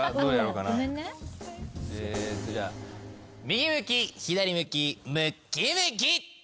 右向き左向きむっきむき！